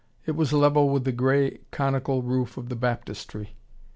It was level with the grey conical roof of the Baptistery.